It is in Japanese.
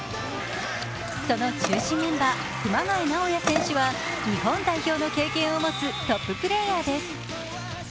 その中心メンバー、熊谷尚也選手は日本代表の経験を持つトッププレーヤーです。